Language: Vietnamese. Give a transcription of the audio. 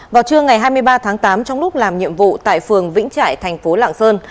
vào trưa ngày hai mươi ba tháng tám trong lúc làm nhiệm vụ tại phường vĩnh trại thành phố lạng sơn